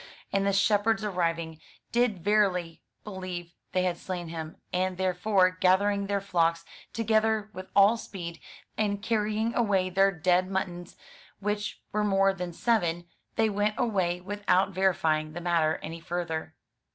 And the shepherds arriving, did verily believe they had slain him; and therefore, gathering their flocks together with all speed, and carrying away their dead muttons, which were more than seven, they went away without verifying the matter any further.